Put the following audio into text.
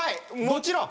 もちろん！